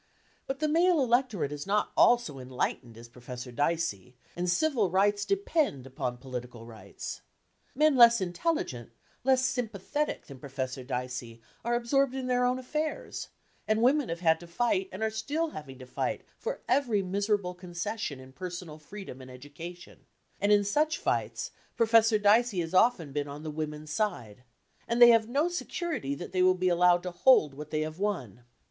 But the male electorate is not all so enlightened as Professor Dicey, and civil rights depend upon political rights. Men less intelligent, less sympathetic than Professor Dicey are absorbed in their own affairs, and women have had to fight and are still having to fight for every miserable concession in personal freedom and education (and in such fights Professor Dicey has often been on the women's side), and they have no security that they will be allowed to hold what they have won.